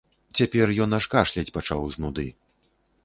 Цяпер ён аж кашляць пачаў з нуды.